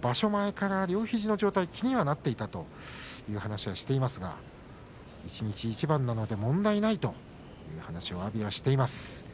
場所前から両肘の状態気にはなっていたという話をしていますが一日一番なので問題ないという話を阿炎はしています。